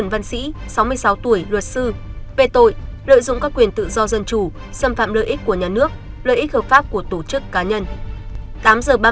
sáu tuổi luật sư về tội lợi dụng các quyền tự do dân chủ xâm phạm lợi ích của nhà nước lợi ích hợp pháp của tổ chức cá nhân